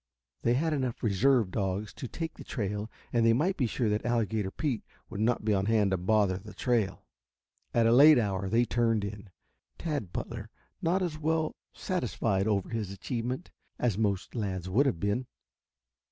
They had enough reserve dogs to take the trail and they might be sure that Alligator Pete would not be on hand to bother the trail. At a late hour they turned in, Tad Butler not as well satisfied over his achievement as most lads would have been.